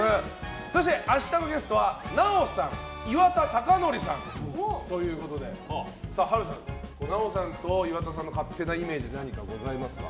そして明日のゲストは奈緒さん岩田剛典さんということで波瑠さん、奈緒さんと岩田さんの勝手なイメージ何かございますか。